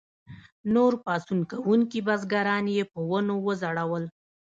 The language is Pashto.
نور پاڅون کوونکي بزګران یې په ونو وځړول.